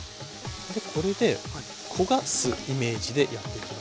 でこれで焦がすイメージでやって下さい。